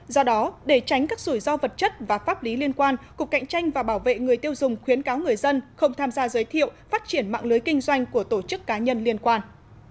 do đó để tránh các rủi ro vật chất và pháp lý liên quan cục cạnh tranh và bảo vệ người tiêu dùng khuyến cáo người dân không tham gia giới thiệu phát triển mạng lưới kinh doanh của tổ chức cá nhân liên quan